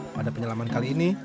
pada penyelaman kali ini